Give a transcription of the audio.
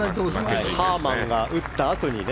ハーマンが打ったあとにね。